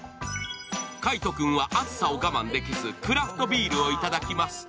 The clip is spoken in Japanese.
海音君は暑さを我慢できず、クラフトビールをいただきます。